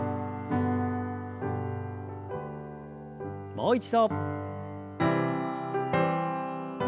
もう一度。